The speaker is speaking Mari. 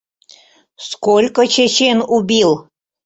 Сколько чечен убил?